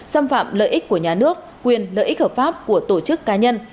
xâm phạm lợi ích của nhà nước quyền lợi ích hợp pháp của tổ chức cá nhân